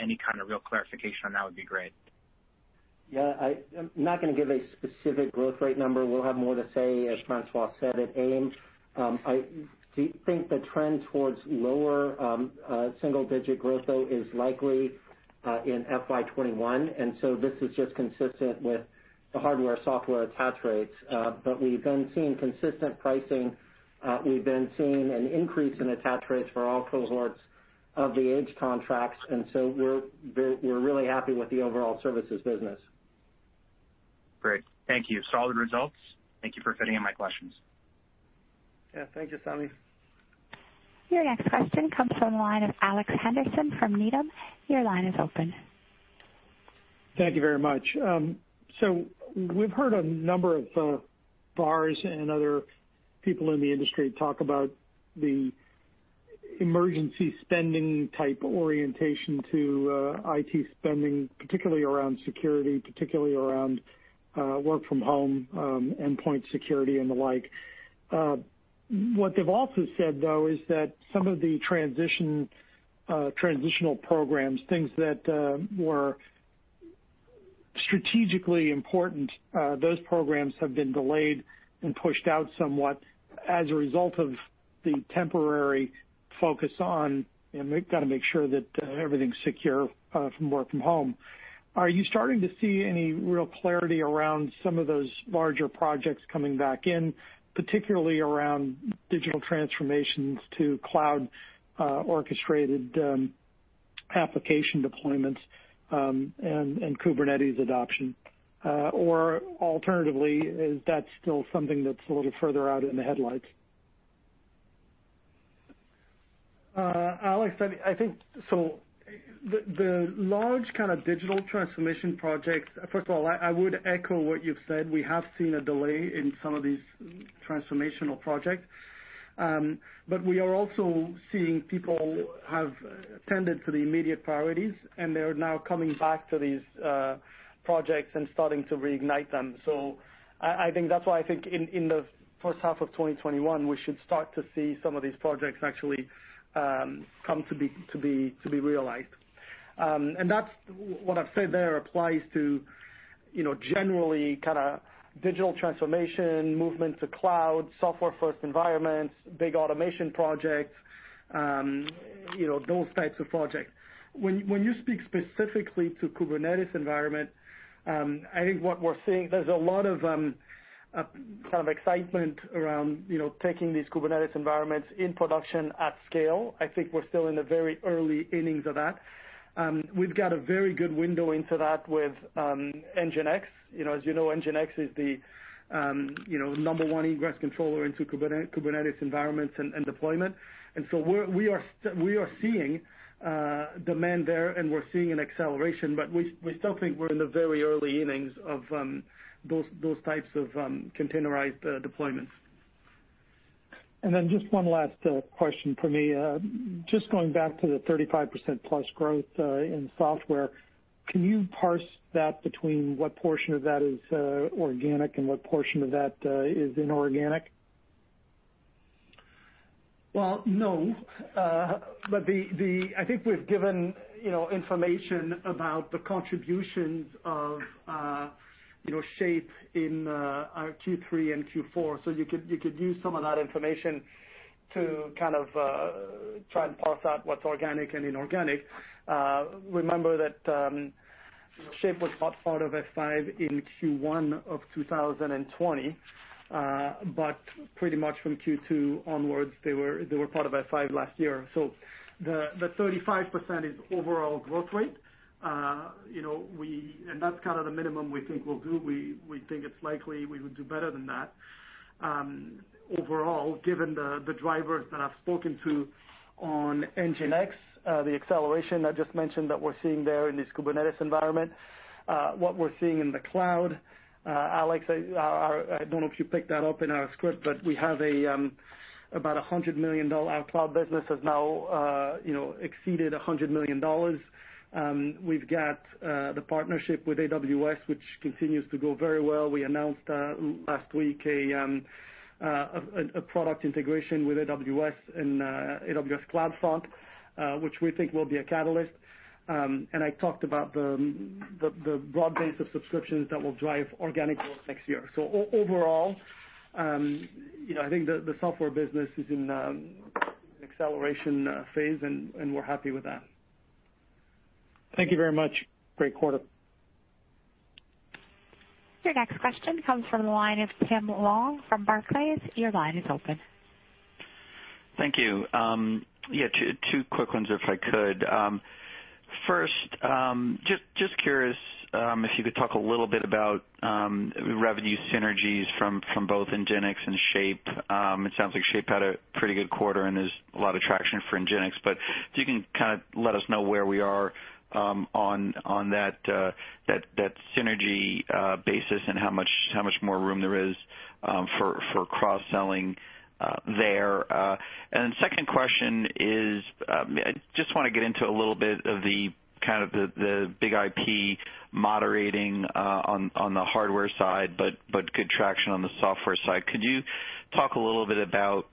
Any kind of real clarification on that would be great. Yeah. I'm not going to give a specific growth rate number. We'll have more to say, as François said, at AIM. I do think the trend towards lower single-digit growth, though, is likely in FY 2021. This is just consistent with the hardware, software attach rates. We've been seeing consistent pricing. We've been seeing an increase in attach rates for all cohorts of the Edge contracts. We're really happy with the overall services business. Great. Thank you. Solid results. Thank you for fitting in my questions. Yeah. Thank you, Sami. Your next question comes from the line of Alex Henderson from Needham. Your line is open. Thank you very much. We've heard a number of VARs and other people in the industry talk about the emergency spending-type orientation to IT spending, particularly around security, particularly around work from home, endpoint security, and the like. What they've also said, though, is that some of the transitional programs, things that were strategically important, those programs have been delayed and pushed out somewhat as a result of the temporary focus on, we've got to make sure that everything's secure from work from home. Are you starting to see any real clarity around some of those larger projects coming back in, particularly around digital transformations to cloud-orchestrated application deployments, and Kubernetes adoption? Or alternatively, is that still something that's a little further out in the headlights? Alex, I think so, the large kind of digital transformation projects, first of all, I would echo what you've said. We have seen a delay in some of these transformational projects. We are also seeing people have tended to the immediate priorities, and they are now coming back to these projects and starting to reignite them. I think that's why I think in the first half of 2021, we should start to see some of these projects actually come to be realized. What I've said there applies to generally kind of digital transformation, movement to cloud, software-first environments, big automation projects, those types of projects. When you speak specifically to Kubernetes environment, I think what we're seeing, there's a lot of excitement around taking these Kubernetes environments in production at scale. I think we're still in the very early innings of that. We've got a very good window into that with NGINX. As you know, NGINX is the number one ingress controller into Kubernetes environments and deployment. We are seeing demand there, and we're seeing an acceleration, but we still think we're in the very early innings of those types of containerized deployments. Then just one last question for me. Just going back to the 35% plus growth in software, can you parse that between what portion of that is organic and what portion of that is inorganic? Well, no. I think we've given information about the contributions of Shape in our Q3 and Q4. You could use some of that information to kind of try and parse out what's organic and inorganic. Remember that Shape was not part of F5 in Q1 of 2020. Pretty much from Q2 onwards, they were part of F5 last year. The 35% is overall growth rate, and that's kind of the minimum we think we'll do. We think it's likely we would do better than that. Overall, given the drivers that I've spoken to on NGINX, the acceleration I just mentioned that we're seeing there in this Kubernetes environment. What we're seeing in the cloud. Alex, I don't know if you picked that up in our script, but our cloud business has now exceeded $100 million. We've got the partnership with AWS, which continues to go very well. We announced last week a product integration with AWS in AWS CloudFront, which we think will be a catalyst. I talked about the broad base of subscriptions that will drive organic growth next year. Overall, I think the software business is in an acceleration phase, and we're happy with that. Thank you very much. Great quarter. Your next question comes from the line of Tim Long from Barclays. Your line is open. Thank you. Yeah, two quick ones if I could. First, just curious if you could talk a little bit about revenue synergies from both NGINX and Shape. It sounds like Shape had a pretty good quarter, and there's a lot of traction for NGINX, but if you can let us know where we are on that synergy basis and how much more room there is for cross-selling there. Second question is, I just want to get into a little bit of the kind of the BIG-IP moderating on the hardware side, but good traction on the software side. Could you talk a little bit about,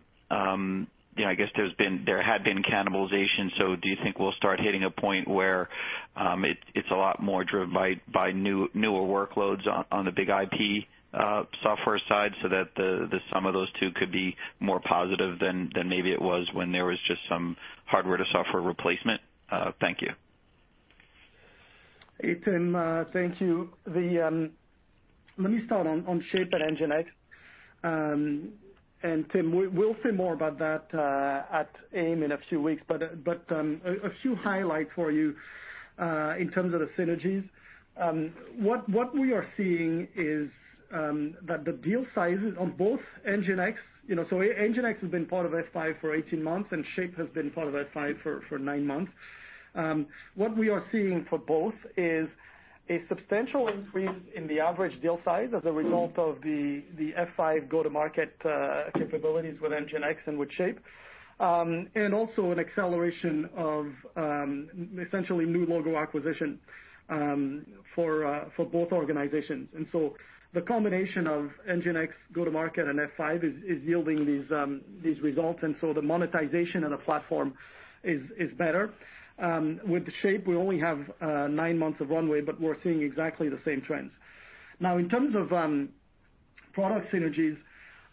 I guess there had been cannibalization, so do you think we'll start hitting a point where it's a lot more driven by newer workloads on the BIG-IP software side so that the sum of those two could be more positive than maybe it was when there was just some hardware to software replacement? Thank you. Hey, Tim. Thank you. Let me start on Shape and NGINX. Tim, we'll say more about that at AIM in a few weeks, but a few highlights for you in terms of the synergies. What we are seeing is that the deal sizes on both NGINX. So NGINX has been part of F5 for 18 months, and Shape has been part of F5 for nine months. What we are seeing for both is a substantial increase in the average deal size as a result of the F5 go-to-market capabilities with NGINX and with Shape, and also an acceleration of essentially new logo acquisition for both organizations. The combination of NGINX go-to-market and F5 is yielding these results, and so the monetization on the platform is better. With Shape, we only have nine months of runway, but we're seeing exactly the same trends. Now, in terms of product synergies,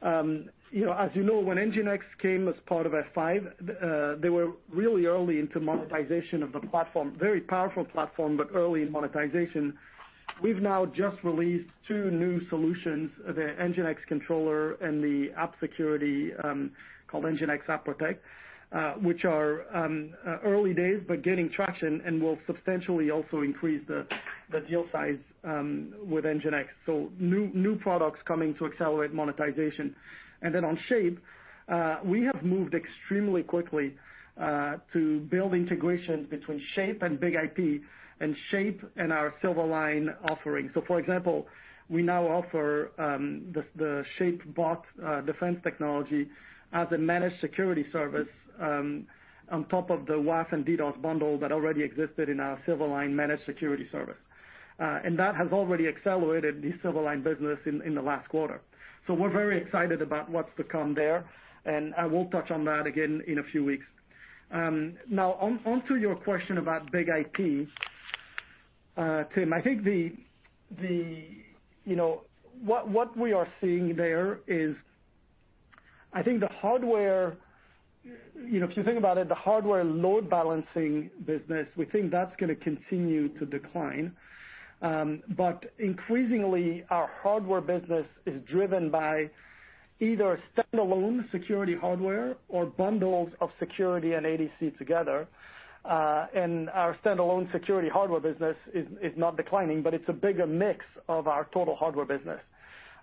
as you know, when NGINX came as part of F5, they were really early into monetization of the platform. Very powerful platform, but early in monetization. We've now just released two new solutions, the NGINX Controller and the app security called NGINX App Protect, which are early days but gaining traction and will substantially also increase the deal size with NGINX. New products coming to accelerate monetization. On Shape, we have moved extremely quickly to build integrations between Shape and BIG-IP and Shape and our Silverline offerings. For example, we now offer the Shape bot defense technology as a managed security service on top of the WAF and DDoS bundle that already existed in our Silverline managed security service. That has already accelerated the Silverline business in the last quarter. We're very excited about what's to come there, and I will touch on that again in a few weeks. Now, onto your question about BIG-IP, Tim, I think what we are seeing there is I think if you think about it, the hardware load balancing business, we think that's going to continue to decline. Increasingly our hardware business is driven by either standalone security hardware or bundles of security and ADC together. Our standalone Security Hardware business is not declining, but it's a bigger mix of our total hardware business.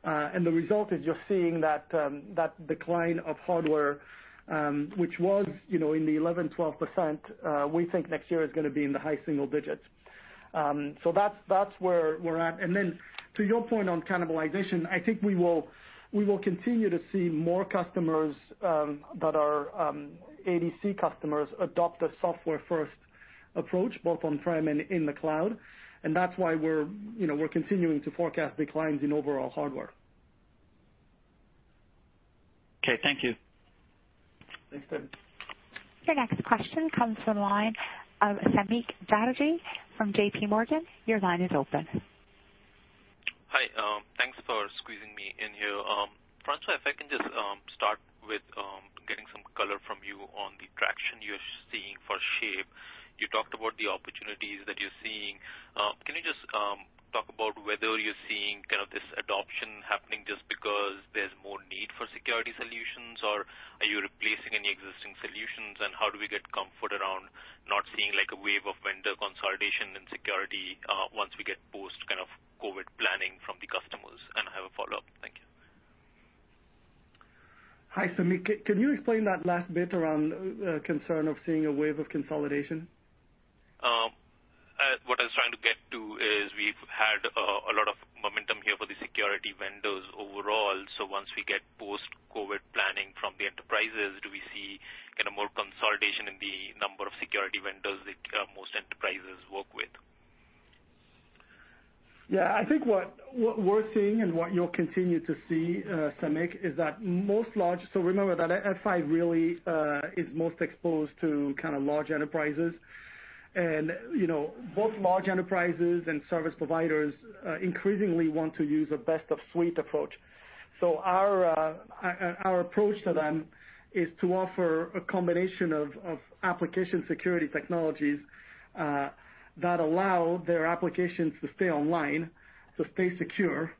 The result is you're seeing that decline of hardware, which was in the 11%, 12%, we think next year is going to be in the high single digits. That's where we're at. Then to your point on cannibalization, I think we will continue to see more customers that are ADC customers adopt a software-first approach, both on-prem and in the cloud. That's why we're continuing to forecast declines in overall hardware. Okay, thank you. Thanks, Tim. Your next question comes from the line of Samik Chatterjee from JPMorgan. Your line is open. Hi. Thanks for squeezing me in here. François, if I can just start with getting some color from you on the traction you're seeing for Shape. You talked about the opportunities that you're seeing. Can you just talk about whether you're seeing this adoption happening just because there's more need for security solutions, or are you replacing any existing solutions, and how do we get comfort around not seeing a wave of vendor consolidation and security once we get post COVID planning from the customers? I have a follow-up. Thank you. Hi, Samik. Can you explain that last bit around concern of seeing a wave of consolidation? What I was trying to get to is we've had a lot of momentum here for the security vendors overall. Once we get post-COVID planning from the enterprises, do we see more consolidation in the number of security vendors that most enterprises work with? Yeah, I think what we're seeing and what you'll continue to see, Samik, is that most large. So remember that F5 really is most exposed to kind of large enterprises. Both large enterprises and service providers increasingly want to use a best of suite approach. Our approach to them is to offer a combination of application security technologies that allow their applications to stay online, to stay secure,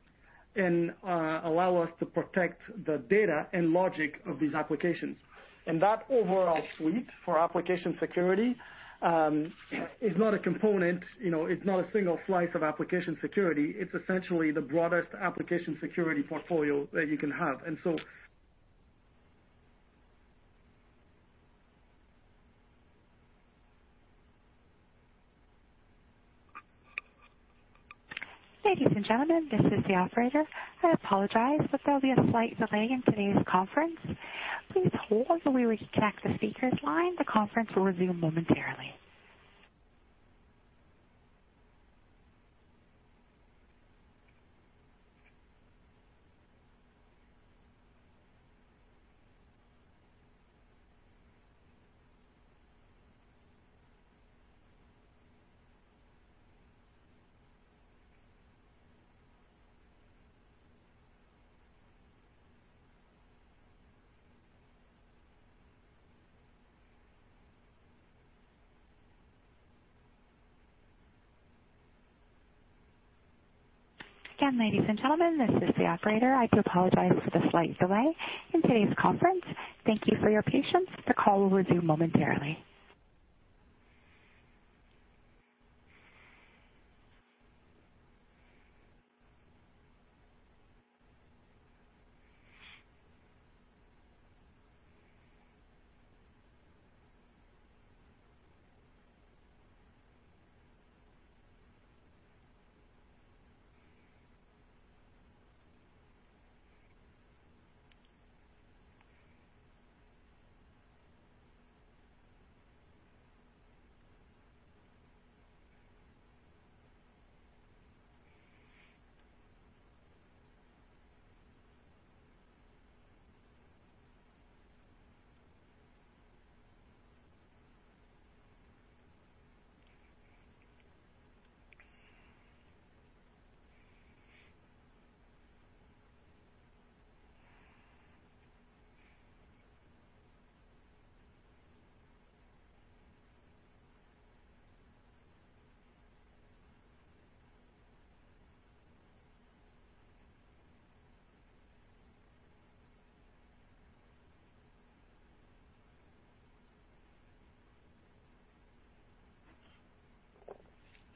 and allow us to protect the data and logic of these applications. That overall suite for application security is not a component, it's not a single slice of application security. It's essentially the broadest application security portfolio that you can have. And so. Ladies and gentlemen, this is the operator. I apologize, but there'll be a slight delay in today's conference. Please hold, we will check the speaker's line. The conference will resume momentarily. Again, ladies and gentlemen, this is the operator. I do apologize for the slight delay in today's conference. Thank you for your patience. The call will resume momentarily.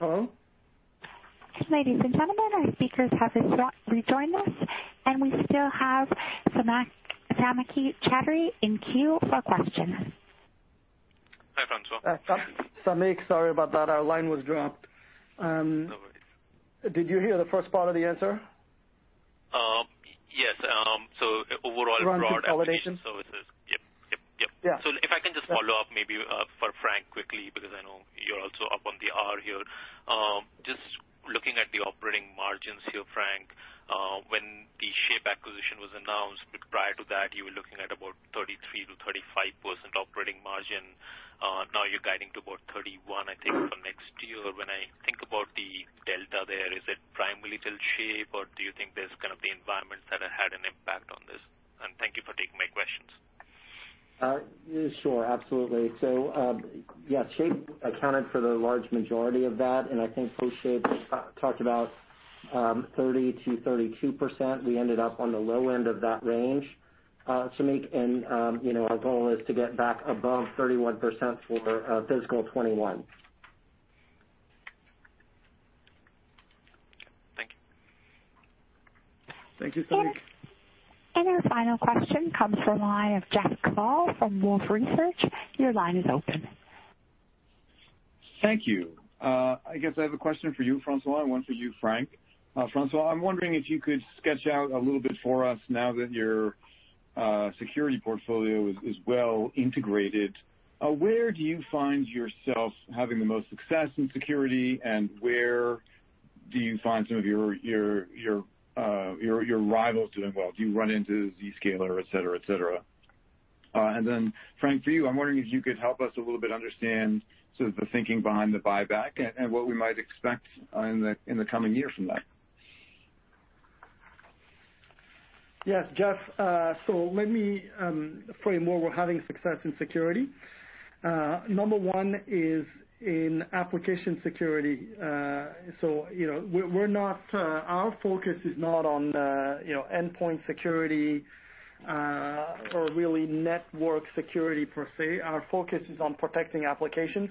Hello? Ladies and gentlemen, our speakers have just rejoined us, and we still have Samik Chatterjee in queue for questions. Hi, François. Samik, sorry about that. Our line was dropped. No worries. Did you hear the first part of the answer? Yes. Around consolidation. Application services. Yep. Yeah. If I can just follow up maybe for Frank quickly, because I know you're also up on the hour here. Just looking at the operating margins here, Frank, when the Shape acquisition was announced, prior to that, you were looking at about 33%-35% operating margin. Now you're guiding to about 31%, I think for next year. When I think about the delta there, is it primarily [till] Shape, or do you think there's going to be environments that have had an impact on this? Thank you for taking my questions. Sure, absolutely. Yeah, Shape accounted for the large majority of that, and I think post Shape talked about 30%-32%. We ended up on the low end of that range, Samik, and our goal is to get back above 31% for fiscal 2021. Thank you. Thank you, Samik. Our final question comes from the line of Jeff Kvaal from Wolfe Research. Thank you. I guess I have a question for you, François, and one for you, Frank. François, I'm wondering if you could sketch out a little bit for us now that your security portfolio is well integrated, where do you find yourself having the most success in security, and where do you find some of your rivals doing well? Do you run into Zscaler, et cetera, et cetera? Then, Frank, for you, I'm wondering if you could help us a little bit understand sort of the thinking behind the buyback and what we might expect in the coming year from that? Yes. Jeff, let me frame where we're having success in security. Number one is in application security. Our focus is not on endpoint security, or really network security per se. Our focus is on protecting applications,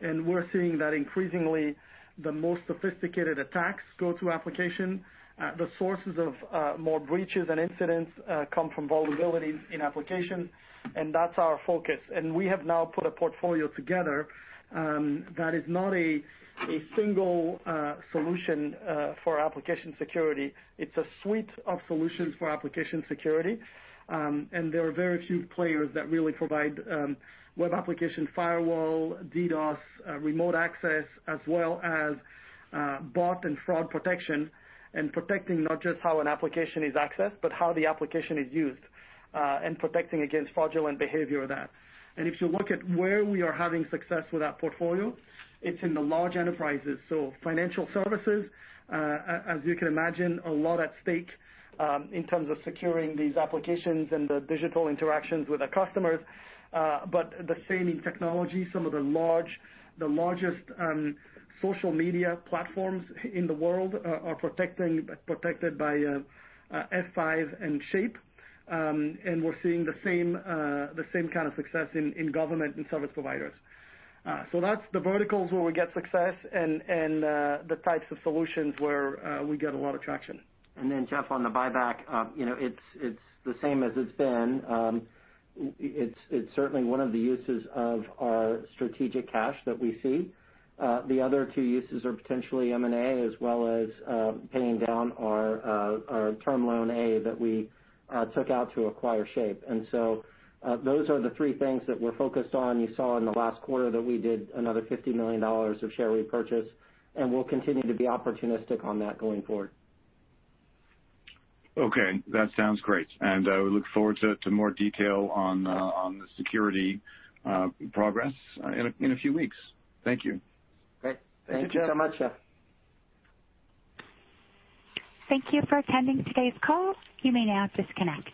and we're seeing that increasingly the most sophisticated attacks go to application. The sources of more breaches and incidents come from vulnerabilities in applications, and that's our focus. We have now put a portfolio together, that is not a single solution for application security. It's a suite of solutions for application security. There are very few players that really provide web application firewall, DDoS, remote access, as well as bot and fraud protection, and protecting not just how an application is accessed, but how the application is used, and protecting against fraudulent behavior of that. If you look at where we are having success with that portfolio, it's in the large enterprises. Financial services, as you can imagine, a lot at stake, in terms of securing these applications and the digital interactions with the customers. The same in technology. Some of the largest social media platforms in the world are protected by F5 and Shape. We're seeing the same kind of success in government and service providers. That's the verticals where we get success and the types of solutions where we get a lot of traction. Then, Jeff, on the buyback, it's the same as it's been. It's certainly one of the uses of our strategic cash that we see. The other two uses are potentially M&A as well as paying down our Term Loan A that we took out to acquire Shape. Those are the three things that we're focused on. You saw in the last quarter that we did another $50 million of share repurchase, and we'll continue to be opportunistic on that going forward. Okay. That sounds great, and I will look forward to more detail on the security progress in a few weeks. Thank you. Thank you so much, Jeff. Thank you for attending today's call. You may now disconnect.